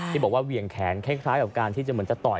ที่บอกว่าเหวี่ยงแขนคล้ายกับการที่จะเหมือนจะต่อย